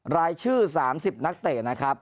รายชื่อ๓๐นักเตะนะครับ